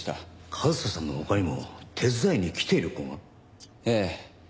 和沙さんの他にも手伝いに来ている子が？ええ。